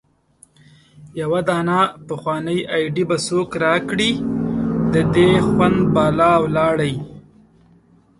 يو دانه پخوانۍ ايډي به څوک را کړي د دې خوند بالا ولاړی